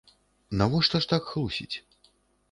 Навошта ж так хлусіць?